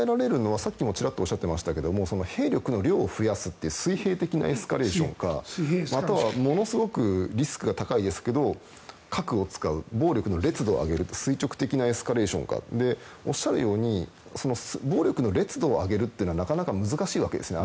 考えられるのは兵力の量を増やすという水平的なエスカレーションかまたはものすごくリスクが高いですけど核を使う暴力の烈度を上げる垂直的なエスカレーションおっしゃるように暴力の烈度を上げるのはなかなか難しいわけですね。